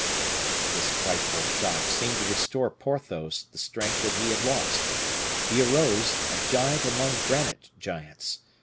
This frightful shock seemed to restore Porthos the strength that he had lost; he arose, a giant among granite giants.